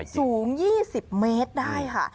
สูง๒๐เมตรได้ค่ะ